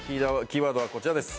キーワードはこちらです。